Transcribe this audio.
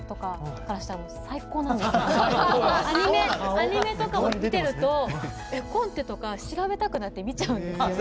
アニメとかも見てると絵コンテとか調べたくなって見ちゃうんですよ。